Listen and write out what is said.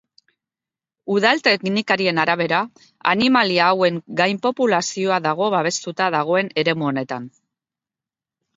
Udal teknikarien arabera, animalia hauen gainpopulazioa dago babestuta dagoen eremu honetan.